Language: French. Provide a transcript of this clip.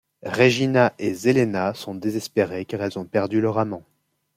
Regina et Zelena sont désespérées car elles ont perdues leur amant.